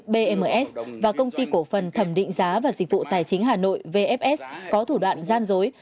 bms và công ty cổ phần thẩm định giá và dịch vụ tài chính hà nội vfs có thủ đoạn gian dối